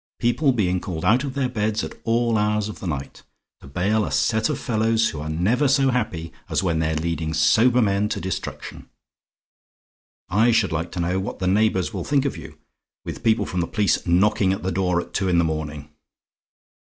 People being called out of their beds at all hours of the night, to bail a set of fellows who are never so happy as when they're leading sober men to destruction. I should like to know what the neighbours will think of you, with people from the police knocking at the door at two in the morning?